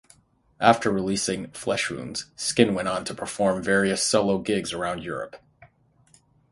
After releasing "Fleshwounds", Skin went on to perform various solo gigs around Europe.